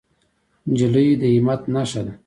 نجلۍ د همت نښه ده.